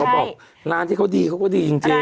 บอกร้านที่เขาดีเขาก็ดีจริง